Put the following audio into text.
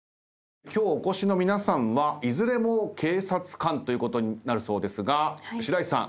今日お越しの皆さんはいずれも警察官ということになるそうですが白石さん